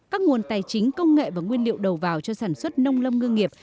các nguồn tài chính công nghệ và nguyên liệu đầu vào cho sản xuất nông lâm ngư nghiệp